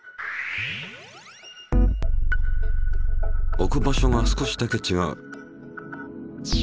置く場所が少しだけちがう。